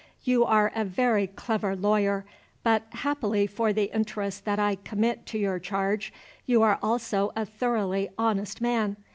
You are a very clever lawyer; but, happily for the interests that I commit to your charge, you are also a thoroughly honest man.